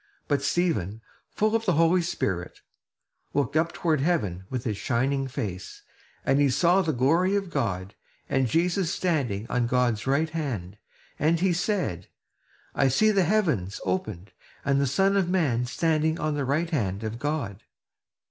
But Stephen, full of the Holy Spirit, looked up toward heaven with his shining face; and he saw the glory of God, and Jesus standing on God's right hand, and he said: "I see the heavens opened, and the Son of man standing on the right hand of God!"